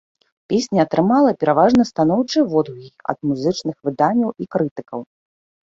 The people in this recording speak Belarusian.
Песня атрымала пераважна станоўчыя водгукі ад музычных выданняў і крытыкаў.